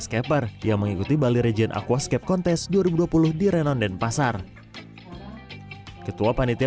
skeper yang mengikuti bali region akuascape kontes dua ribu dua puluh di renan denpasar ketua panitia